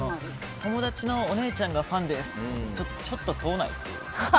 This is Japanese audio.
友達のお姉ちゃんがファンですってちょっと遠くない？っていう。